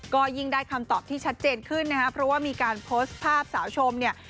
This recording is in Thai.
ก็ยิ่งได้คำตอบที่ชัดเจนขึ้นนะครับเพราะว่ามีการโพสต์ภาพสาวชมเนี่ย